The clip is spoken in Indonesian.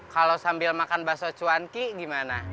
kalau sambil makan bakso cuanki gimana